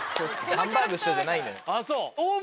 ハンバーグ師匠じゃないのよ。